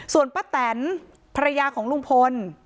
ส่วนป้าแตนภรรยาของลุงพล